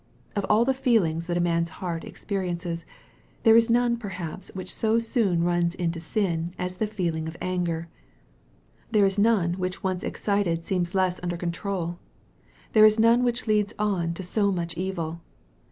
Of all the feelings that man's heart experiences, there is none perhaps which so soon runs into sin as the feeling of anger. There is none which once excited seems less under control. There is none which leads on to so much evil.